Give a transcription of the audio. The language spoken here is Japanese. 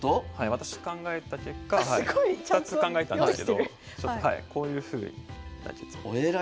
私考えた結果２つ考えたんですけどこういうふうに。